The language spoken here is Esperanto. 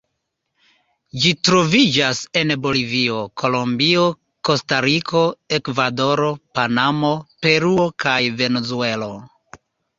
Ĝi troviĝas en Bolivio, Kolombio, Kostariko, Ekvadoro, Panamo, Peruo kaj Venezuelo.